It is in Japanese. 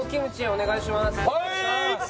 お願いします